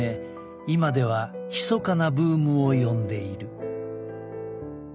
今ではひそかなブームを呼んでいる。